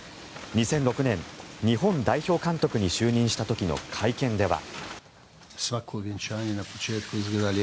２００６年、日本代表監督に就任した時の会見では。